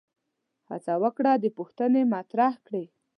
هڅه وکړه پوښتنې مطرح کړي